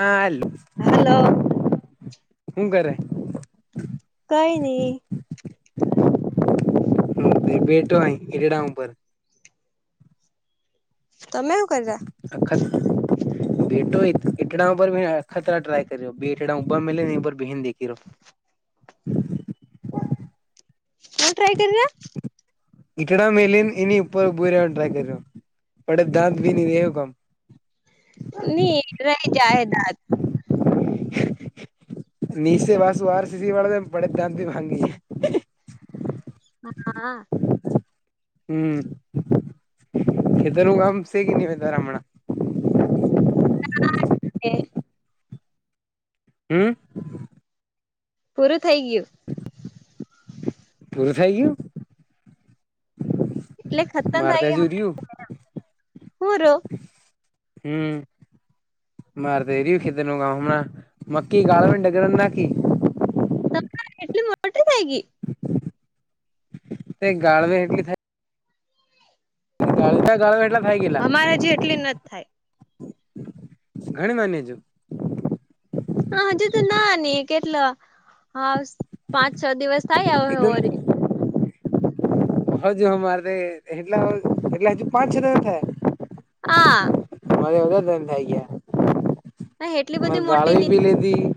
હાલ હાલો હું કરે કાઈ નહી બેટો એ [unintelligible] ઉપર તમે એવું કરતા અખ બેટો ટેકડા ઉપર અખતરા ટ્રાય કર્યો બે એડા ઉા મ ને બર બન દખી રહો સુ ટ્રાય કર્યા ઈટડા મેલીને એની ઉપર ઉભો રવાનું ટ્રાય કર્યો પડે દાંત ભી ને એવ કામ હી રહી જાહેદાદ નીચે વાસુ વારસીસીવાળા બડે દંધથી ભાંગી હા. હમ્મ ખેતર નું કામ છે [unintelligible] હમણા [unintelligible] હમ્મ પૂરું થઈ ગયું. પૂરું થઈ ગયું? એટલે ખતમ થઈ મારતા અજુ ગયું રયુ. હું રો હમ્મ. મારે [unintelligible] [unintelligible] એટલી મોટી થાય ગઈ [unintelligible] [unintelligible] અમારે જેટલી નથ થાય. [unintelligible] હ હજુ તો નાની કેટલા હા પાંચ છ દિવસ થાય [unintelligible] એકદમ [unintelligible] હા એટલી બધી મોટી ની [unintelligible]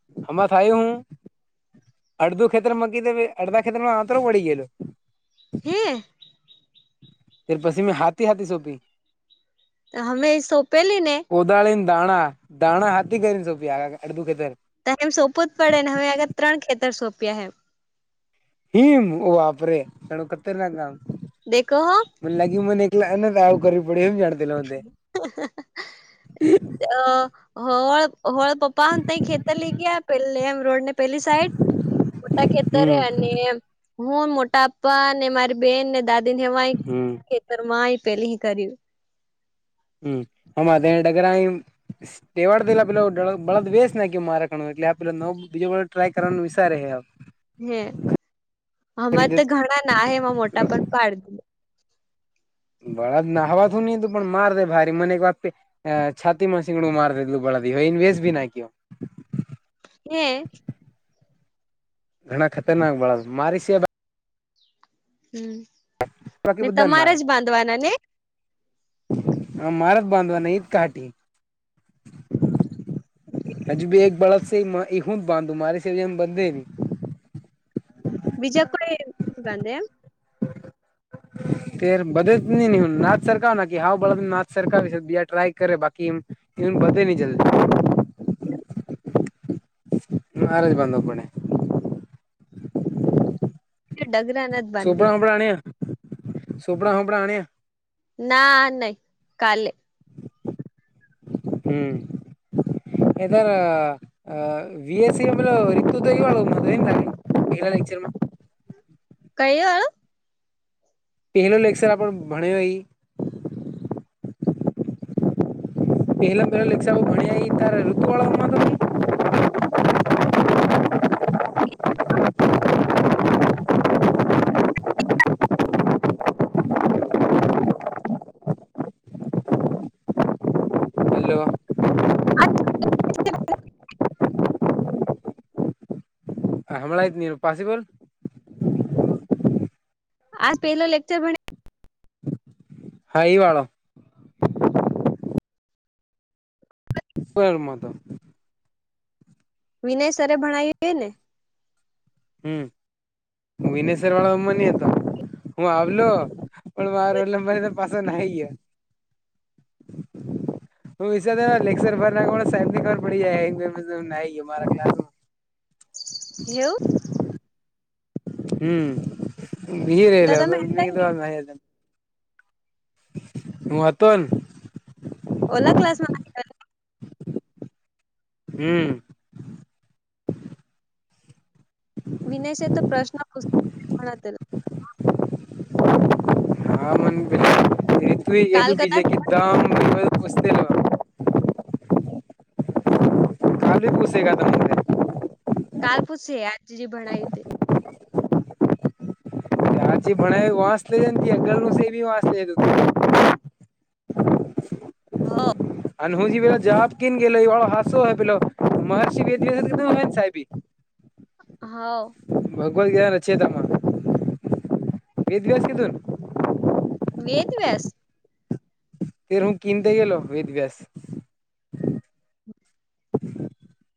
[unintelligible] અડધું ખેતર મા કીધેલું [unintelligible] હે તે પછી મેં હાથી હાથી સોંપી હમે એ સોપે લીને કોદાળીન દાણા દાણા હાથી કરીને સોપી [unintelligible] [unintelligible] [unintelligible] દેખો હ [unintelligible] [unintelligible] [unintelligible] પેલી સાઈડ મોટા ખેતરે હમ અને હું મોટા પપ્પા ને મારી બેન ને દાદી નેય હમ [unintelligible] [unintelligible] [unintelligible] [inaudible] [unintelligible] [unintelligible] [unintelligible] હે ઘણા ખતરનાક બળા [unintelligible] હમ્મ. બાકી બધાને મારે ને હ મારાત બાંધવાના [unintelligible] [unintelligible] બીજા કોઈ ની બાંધે એમ [inaudible] તે બદે જ ની [unintelligible] ટ્રાય કરે બાકી [unintelligible] બદે ની જલ્દી મારે જ બાંધવા પડે. [unintelligible] [unintelligible] ના નહી કાલે હમ એધર આ વિીએસસી એમ રીતો તોવાળોિલા લક્ચરમાં કઈ હળ પહેલો લેક્ચર આપણ ભણય પહેલા પહેલા લેશ ભણ ત ઋતુ વાળાઓમાં તો હલો અ હમળાત નનીનું પાિબલ આજ પેલો લેકચર ભ હાાઈ વાળો પરરમાં તો વિનય સરરે ભણાવએ ને હમ વિનેશ્વર વાળામમાં ન હતો હું આવલો પણ માર લંબાઈ તો પાછ નહીય હું વિ લેક્ચર ભર સાબ ની ખબર પડી જાય મારામાં એવું હમ બી તો રલા તમે પણ હ હતન ઓલા ક્લાસ માં [inaudible] હમ વિનયશ તો પ્રશ્ન પુસ્ત હા મન પ તુ કાલ એવી વિજય કદાચ કતામ ઉસ્તેરો હાલી કશ કતા કાલ પૂછ આજ જે ભણ તે હચે ભણ વાસ લેજ અગળ રોષ બી વાસ લે [inaudible] હા અનહુજી પેલો જવાબ કન ગેલો વાળો હાાસસો હોય પેલો મહર્ષિ બે દિવ હોય ને સાહેબી હા ભગવદ્ગીતા રચેતામાં વેદ વસ કેધું વેદ વ્યાસ તે હું કનતે ગલો વેદ વ્યાસ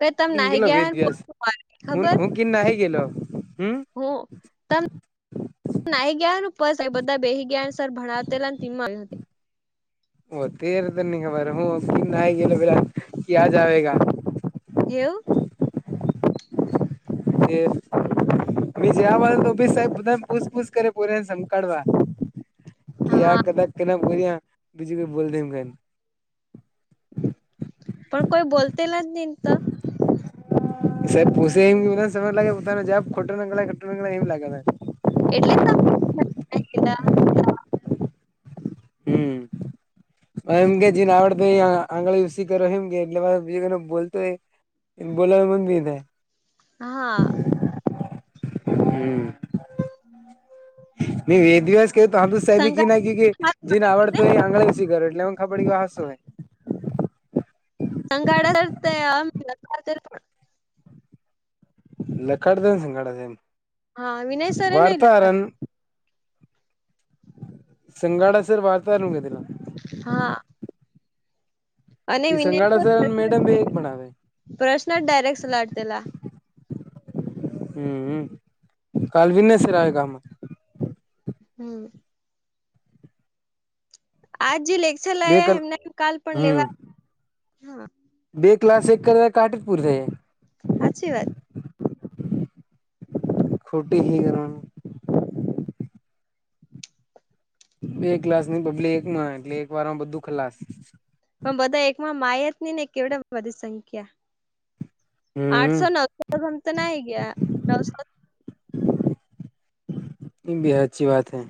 કે તમ કન નાહી ગેલો ગયા વેદ હન વ્યાસ પગ મારી હું હું કન ન હ ગેલો હમ હ તમ નાહ જ્ઞાનનો ઉપ બધા બેહજ્ઞાન સર ભણાવેલાંતિમાં આવ હતી. ઓતેર તો નની ખબર હું ક ના ગ પેલા ક આ જવેગ એવું કે મી જવા તોફી સાહેબ બધાને પૂછપૂછ કરે પોરીને સંકળવા હા યા કદા કે બોલ્યા બીજું કો બોલ દમ કેમ પણ કોઈ બોલતે લ જ નહી તો સાહેબ પોસે એમ સમય લાગે પોતાનો જબ ખોટોંગળટંગ એમ લાગે ને એટલે તલા હમ હ એમ કે જેને આવડતો આંગળી સી કર્યોમ કે એટલે બીજ બોતો હો બોલાવે મંદીે હા. હમ. ન એ દિવસ કહ તો હમ તો સહેબી ક ના ક જેને સંગાડા આવડ તો એ આંગળી સિગર એટલે એ ખબડી કેવા હસો. સંંગાડા [unintelligible] આમ [unintelligible] [inaudible] હા વિનય સરે નહી લખાય સંંગાડા સર વાર્તા રહું [unintelligible] હા. અને એ સંગાડા વિનેશ્ર સર પ્રશ મેડમ બે એક ભણાવે પ્રશ્ન જ ડાયરેક્ટ સલાટ. [unintelligible] હમ કાલ વીનય સર હમ. આજ જે લેક્ચર બે લાયા કલ એમના કાલ પણ હમ લેવા બે ક્લાસ એક કરે કાઠતપુરસે હાચી વાત. ખોટી હું કર [unintelligible] બે ક્લાસ ન બદલે એકમાં એટલે એક વાર માં બધું ખલાસ. પણ બધા એકમાં માયત ની ને કેવડ બધી સંખ્યા. હમ આઠસો નવસો ગમ તો ના ગયા નવસો એ બ અચ્છી વાત હૈ.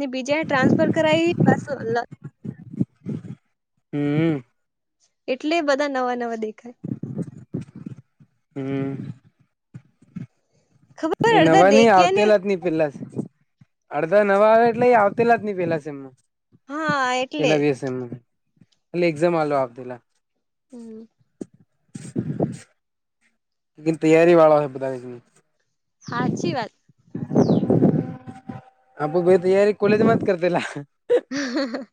ને બીજા ટ્રાન્સફર કરાવી બસ હમ. એટલે બધા નવા નવા દેખાય. હમ. ખબર એ અડધા નવા નહ દેખ્યા ને આવતેલા જ ન પેલા અડધા નવા આવે એટલે એ આવલા જ નહ પેલા સમમાં હા એટલે એલાસમ એ એક્ઝામ આપલા હમ. લેકન તૈયારી વાળા હોય બધા એ હાચી વાત. આપુ ભ તૈયારી કોલેજમાં જ કરતીલા. હા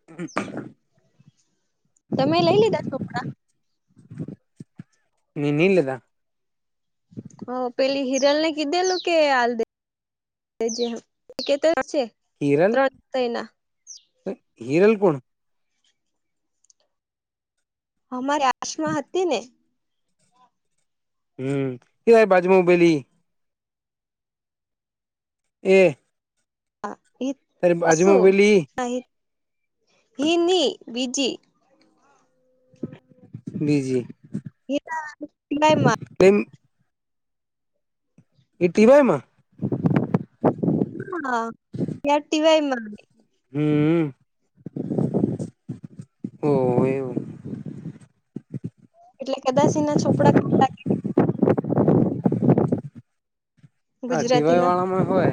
હ [inaudible] તમે લઈ લીધા [unintelligible] નઈ લીધા હ પેલી હિરલ ને કીધેલું કે આે [inaudible] [inaudible] છે ત્રણ થય ના હીરલ કોણ. અમારી [inaudible] આસમાં હતી ને. હમ [inaudible] એય બાજુમાં ઊભેલી. એ અું તારે બાજુમાં પેલી [inaudible] [inaudible] હિ ની બીજી બીજી એ તો એમ. એ ટીવાય માં. હા ટવાય મા હમ. ઓ એવું. એટલે કદાચ એના છોપરા ખા હા ટીવાય ગુજરાતીના વાળા માં હોય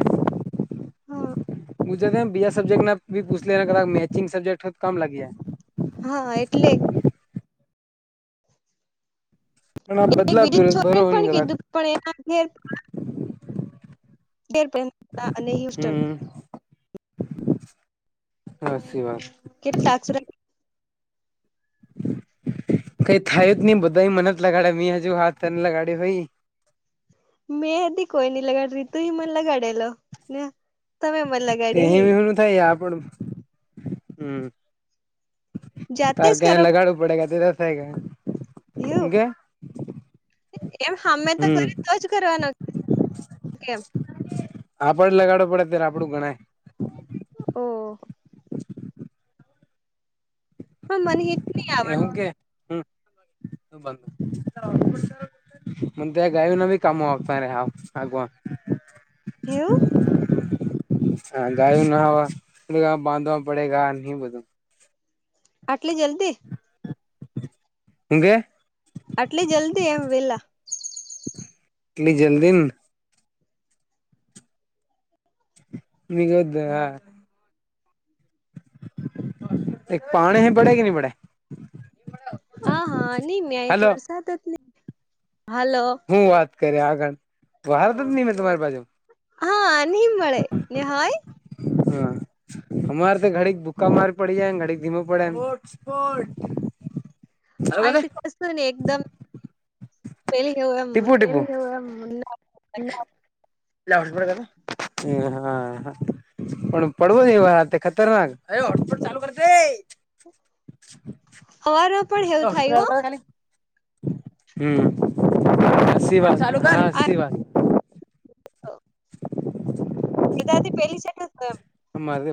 હા [unintelligible] સબ્જેક્ટ ના પૂછ લેક મેચિંગ સબ્જેક્ટ તો કમ લગે ગા હા એટલે પણ આ બદલાતું બીજું છોકરી ભરો ને ન કોણે કદાચ કીધું પણ એ [unintelligible] હોસ્ટેલ હમ સાચી વાત કેટલા ટાસ્ક રહયા કઈ થાયું જ નઈ બધા મને જ લગાડ્યા મેી હજુ હાથ લગાડ હોાઈ મેં ભી કોઈ નઈ લગાડીયો રીતું એ મને લગાડેલો તમે મને તે લગાડ્યો હે [unintelligible] થાય આપણ હમ જાતે તાર જ ક્યાને કરો લગાડવું પડે તે રસાય જાય એવું એમ સામે તો હમ કરી તોજ કરવાના કેમ આપડે લગાડવો પડે અત્યારે આપડું ગણાય ઓહ [inaudible] પણ મને હિત નહી આવડ એવું કે [unintelligible] [unintelligible] એવું [inaudible] હા ગાયું ના હવા બાંધવા પડે ગ નહ બધું આટલી જલ્દી હું કે આટલી જલ્દી એમ વેલા એટલી જલ્દી [unintelligible] એક પાણી કી પડે ગી બેટા હા હા નહી મેં આ વરસાદ જ નહી હાલો હું વાત કરી આગળ આયો તો જ નહી મેં તમારી બાજુ હા નિમ મળળે નેહય હમ અમારે તો ઘડીક ભૂકા માર પડી જાય ઘડી ધીમો પડે આ અરે તો કશું નહીં એકદમ તેલ જેવો એમ ટીપુ ટીપુ [unintelligible] હમ હા હા પડિયો ન અહી તો ખાતરના [unintelligible] સવારમાં પણ એવું હોટસ્પોટ આલ થયું ખાલી હમ હ [unintelligible] [unintelligible] હા હા મારે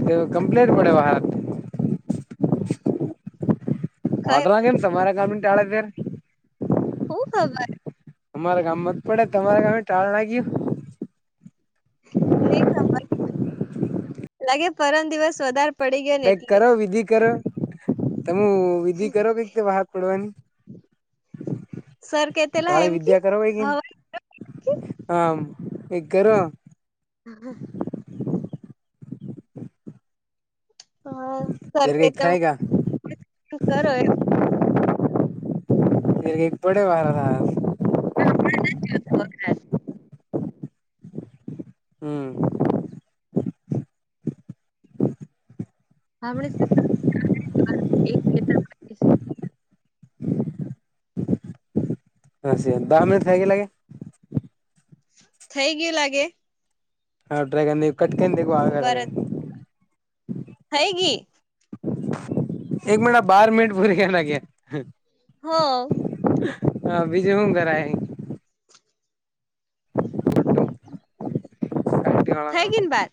પણ કમ્પ્લેન્ટ પડિયો [unintelligible] વાંદરા કેમ તમારા ગામને ટાળે છે. હું ખબર અમારા ગામમા તો પડે તમારા ગામે ટાળું લાગીયું નહીં ખબર લાગે પરમ દિવસ વધારે પડી ગયો ને કંઇક એટલે કરો વિધિ કરો તમ વિધિ કરો કંઇક વરસાદ પડવાની સર કેતેલા કાલે એમ કે વિદ્યા કરો હોય કેમ હવા કે આમ કંઈક કરો હ હ હા સરખ ત કરો એ એકપડ વાાર હ [inaudible] હમ હા એક કે છે. હા સ દ મિટથ ગ લાગે થઈ ગયું લાગે હા ડ્રગન કટકીન દીગું આગ લગે હેગી એક મિટ બાર મનિટ ભૂરી ગયા લાગયા હા હા બીજું શું કરાય કાઠિયાવાડ થઈ કામ કન બા